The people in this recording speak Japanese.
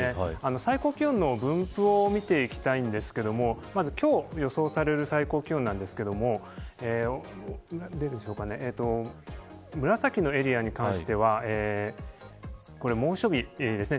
最高気温の分布を見ていきたいんですけれどもまず今日予想される最高気温なんですが紫のエリアに関しては猛暑日ですね。